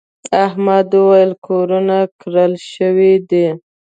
احمد وويل: کورونه کرل شوي دي.